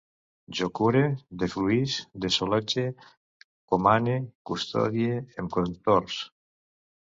Jo cure, defluïsc, desallotge, comane, custodie, em contorç